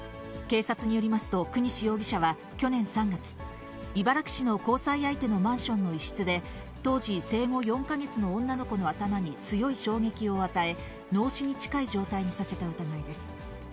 警察によりますと、國司容疑者は去年３月、茨木市の交際相手のマンションの一室で、当時生後４か月の女の子の頭に強い衝撃を与え、脳死に近い状態にさせた疑いです。